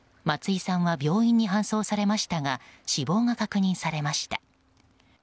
松井さんは病院に搬送されましたが死亡が確認されました。